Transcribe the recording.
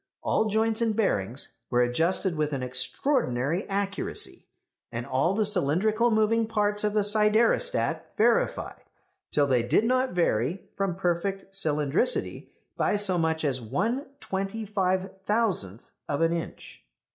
All joints and bearings were adjusted with an extraordinary accuracy; and all the cylindrical moving parts of the siderostat verified till they did not vary from perfect cylindricity by so much as one twenty five thousandth of an inch!